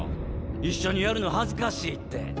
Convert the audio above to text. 一緒にやるの恥ずかしいって。